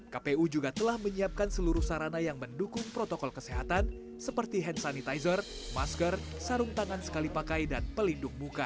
kpu juga telah menyiapkan seluruh sarana yang mendukung protokol kesehatan seperti hand sanitizer masker sarung tangan sekali pakai dan pelindung muka